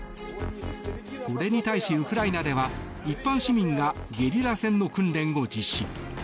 これに対し、ウクライナでは一般市民がゲリラ戦の訓練を実施。